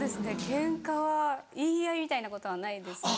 ケンカは言い合いみたいなことはないですね。